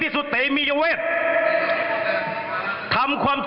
อันนี้ที่๔นี่ครับ